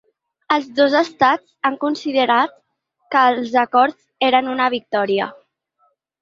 Els dos estats han considerat que els acords eren una victòria.